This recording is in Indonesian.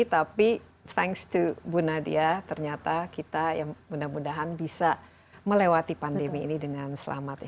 tapi thanks to bu nadia ternyata kita ya mudah mudahan bisa melewati pandemi ini dengan selamat ya